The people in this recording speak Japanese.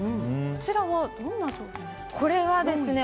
こちらはどんな商品ですか？